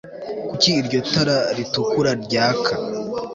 kuki iryo tara ritukura ryaka